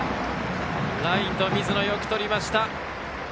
ライトの水野、よくとりました！